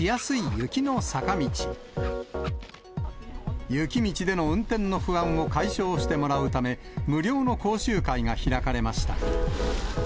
雪道での運転の不安を解消してもらうため、無料の講習会が開かれました。